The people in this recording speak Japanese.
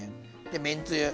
でめんつゆ。